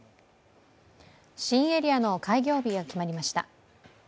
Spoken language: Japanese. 新エリアの開業日が決まりました。